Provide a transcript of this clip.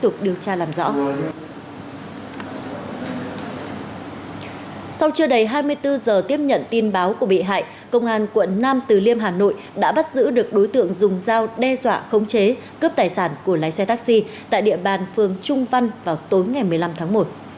sau đây hai mươi bốn giờ tiếp nhận tin báo của bị hại công an quận nam từ liêm hà nội đã bắt giữ được đối tượng dùng dao đe dọa khống chế cướp tài sản của lái xe taxi tại địa bàn phường trung văn vào tối ngày một mươi năm tháng một